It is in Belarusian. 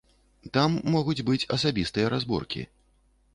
Там могуць быць асабістыя разборкі.